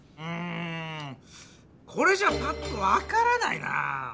うんこれじゃパッとわからないなぁ。